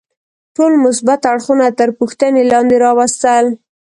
ټول مثبت اړخونه تر پوښتنې لاندې راوستل.